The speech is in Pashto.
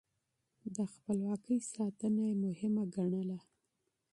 د خپلواکۍ ساتنه يې مهمه ګڼله.